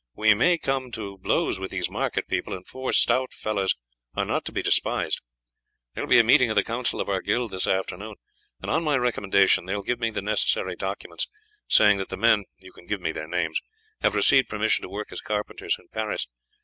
"We may come to blows with these market people, and four stout fellows are not to be despised. There will be a meeting of the council of our guild this afternoon, and on my recommendation they will give me the necessary documents, saying that the men you can give me their names have received permission to work as carpenters in Paris.